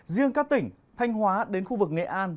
riêng các tỉnh thanh hóa đến khu vực nghệ an